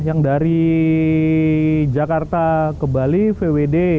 yang dari jakarta ke bali vwd